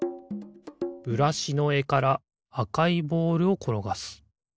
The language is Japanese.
ブラシのえからあかいボールをころがす。